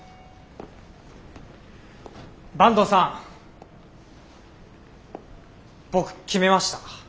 坂東さん僕決めました。